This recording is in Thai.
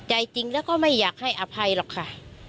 ใจจริงแล้วก็ไม่อยากให้อภัยหรอกค่ะ